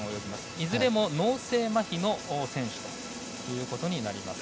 いずれも脳性まひの選手ということになります。